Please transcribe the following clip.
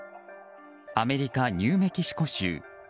アメリカ・ニューメキシコ州。